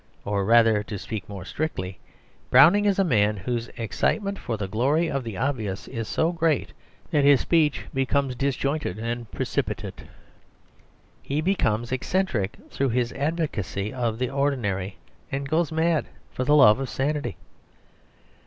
Or rather, to speak more strictly, Browning is a man whose excitement for the glory of the obvious is so great that his speech becomes disjointed and precipitate: he becomes eccentric through his advocacy of the ordinary, and goes mad for the love of sanity.